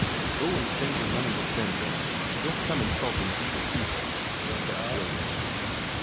"Go and spend your money with them, then, and don't come insulting decent people," said Celia.